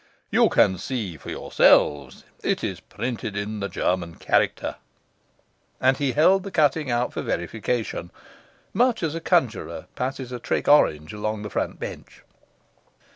You can see for yourselves; it is printed in the German character.' And he held the cutting out for verification, much as a conjuror passes a trick orange along the front bench.